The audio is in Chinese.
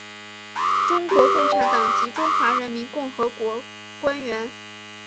中国共产党及中华人民共和国官员。